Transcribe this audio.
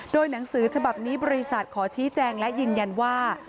โดยหนังสือฉบับนี้บริษัทขอชี้แจงและยืนยันว่า